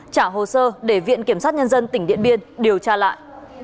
trả hồ sơ để viện kiểm sát nhân dân tỉnh điện biên điều tra lại